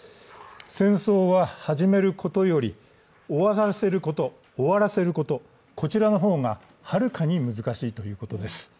戦争は始めることより、終わらせること、こちらの方がはるかに難しいということです。